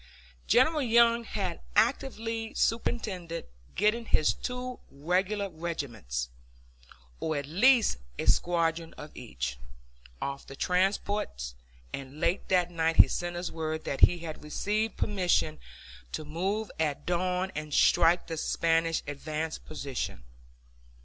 General Young had actively superintended getting his two regular regiments, or at least a squadron of each, off the transports, and late that night he sent us word that he had received permission to move at dawn and strike the Spanish advance position.